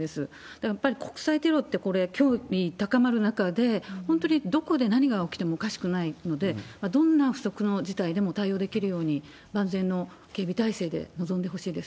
だからやっぱり国際テロってこれ、きょう日高まる中で、本当にどこで何が起きてもおかしくないので、どんな不測の事態でも対応できるように、万全の警備態勢で臨んでほしいです。